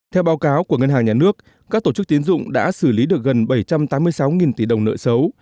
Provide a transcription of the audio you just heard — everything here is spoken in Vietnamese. theo báo cáo của ngân hàng nhà nước các tổ chức tiến dụng đã xử lý được gần bảy trăm tám mươi sáu tỷ đồng nợ xấu